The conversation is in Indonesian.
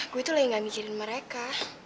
gue itu lagi gak mikirin mereka